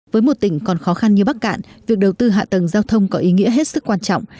với một tỉnh còn khó khăn như bắc cạn việc đầu tư hạ tầng giao thông có ý nghĩa hết sức quan trọng